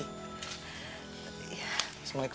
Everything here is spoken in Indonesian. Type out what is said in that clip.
lu lu keterlaluan banget ya